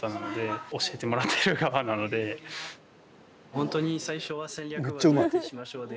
本当に最初は戦略はどうやってしましょうで。